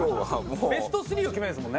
ベスト３を決めるんですもんね？